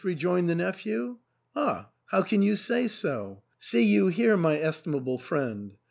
re joined the nephew. " Ah ! how can you say so ? See you here, my estimable friend!